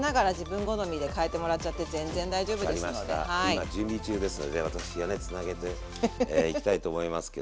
今準備中ですので私がねつなげていきたいと思いますけどもね。